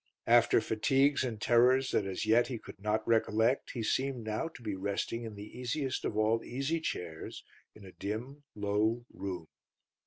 After fatigues and terrors that as yet he could not recollect he seemed now to be resting in the easiest of all easy chairs in a dim, low room.